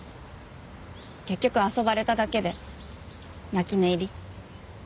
結局遊ばれただけで泣き寝入り。